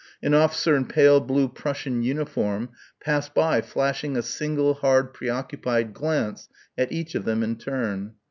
An officer in pale blue Prussian uniform passed by flashing a single hard preoccupied glance at each of them in turn.